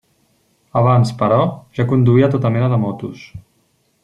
Abans, però, ja conduïa tota mena de motos.